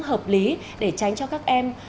hợp lý để tránh cho các em